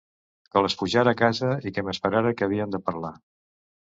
Que les pujara a casa i que m'esperara, que havíem de parlar.